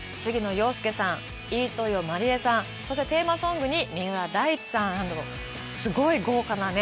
遥亮さん飯豊まりえさんそしてテーマソングに三浦大知さんなどのすごい豪華なね